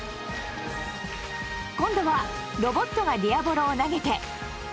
今度はロボットがディアボロを投げて。